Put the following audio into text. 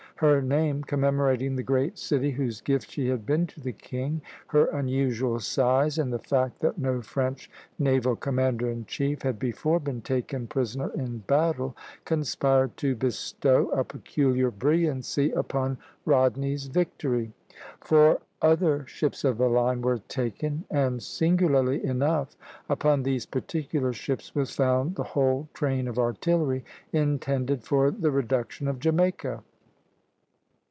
Her name, commemorating the great city whose gift she had been to the king, her unusual size, and the fact that no French naval commander in chief had before been taken prisoner in battle, conspired to bestow a peculiar brilliancy upon Rodney's victory. Four other ships of the line were taken, and, singularly enough, upon these particular ships was found the whole train of artillery intended for the reduction of Jamaica.